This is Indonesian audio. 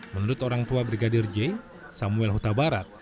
menurut orang tua brigadir j samuel huta barat